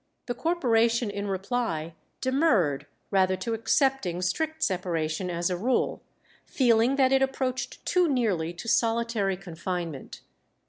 The Corporation in reply demurred rather to accepting strict separation as a rule, feeling that it approached too nearly to solitary confinement.